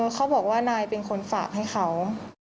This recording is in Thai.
เขาบอกว่านายเป็นคนฝากให้เขา